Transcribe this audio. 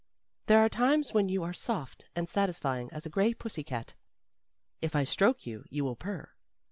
"There are times when you are soft and satisfying as a gray pussy cat. If I stroke you, you will purr.